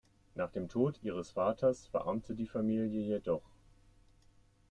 Nach dem Tod ihres Vaters verarmte die Familie jedoch.